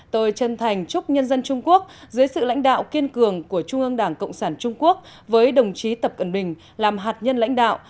tôi chân thành chúc nhân dân trung quốc dưới sự lãnh đạo kiên cường của trung ương đảng cộng sản trung quốc với đồng chí tập cận bình làm hạt nhân lãnh đạo